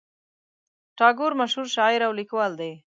ټاګور مشهور شاعر او لیکوال دی.